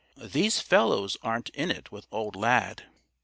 "These fellows aren't in it with old Lad.